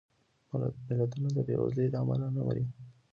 ملتونه د بېوزلۍ له امله نه مري